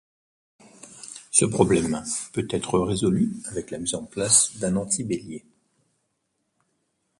Ce problème peut être résolu avec la mise en place d'un antibélier.